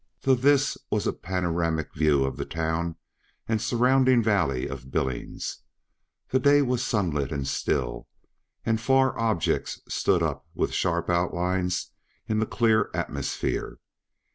The "this" was a panoramic view of the town and surrounding valley of Billings. The day was sunlit and still, and far objects stood up with sharp outlines in the clear atmosphere.